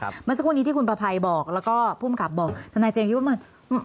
เมื่อสักครู่นี้ที่คุณประภัยบอกแล้วก็ภูมิกับบอกทนายเจมสคิดว่ามัน